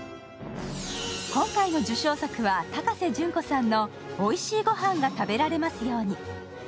今回の受賞作は、高瀬隼子さんの「おいしいごはんが食べられますように」。